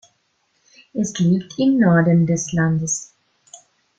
Es liegt im Norden des Landes.